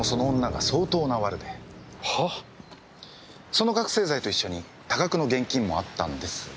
その覚せい剤と一緒に多額の現金もあったんですが。